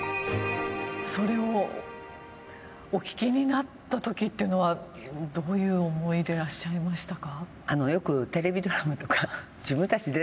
それをお聞きになった時というのはどういう思いでいらっしゃいましたか？